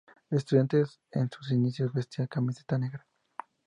Estudiantes en sus inicios vestía camiseta negra.